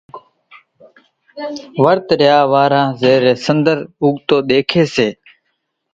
ورت ريا وارو زيرين سنۮر اُوڳتو ۮيکي سي،